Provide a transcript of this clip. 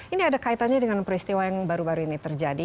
ini ada kaitannya dengan peristiwa yang baru baru ini terjadi